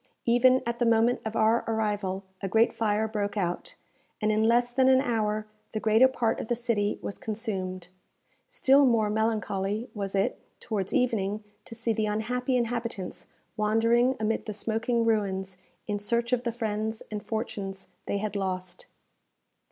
Even at the moment of our arrival a great fire broke out, and in less than an hour the greater part of the city was consumed. Still more melancholy was it, towards evening, to see the unhappy inhabitants wandering amid the smoking ruins in search of the friends and fortunes they had lost.